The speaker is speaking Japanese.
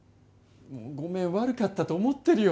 ごめん、悪かったと思ってるよ